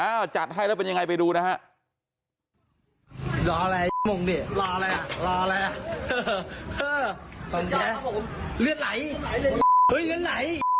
จัดให้แล้วเป็นยังไงไปดูนะฮะ